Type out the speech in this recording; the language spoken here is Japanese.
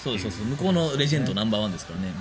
向こうのレジェンドナンバーワンですからね。